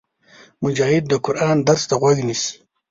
مجاهد د قرآن درس ته غوږ نیسي.